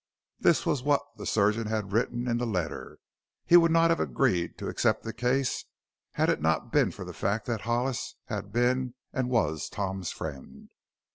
This was what the surgeon had written in the letter he would not have agreed to accept the case had it not been for the fact that Hollis had been, and was Tom's friend.